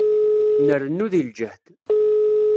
Nrennu di lǧehd.